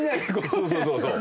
そうそうそうそう。